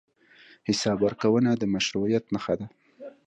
حساب ورکونه د مشروعیت نښه ده.